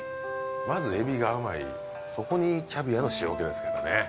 まずえびが甘いそこにキャビアの塩気ですからね